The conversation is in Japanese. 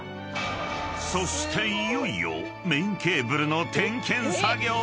［そしていよいよメインケーブルの点検作業へ］